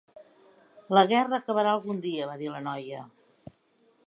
"La guerra acabarà algun dia", va dir la noia.